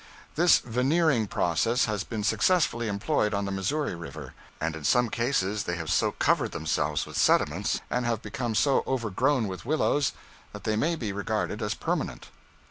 This veneering process has been successfully employed on the Missouri River; and in some cases they have so covered themselves with sediments, and have become so overgrown with willows, that they may be regarded as permanent.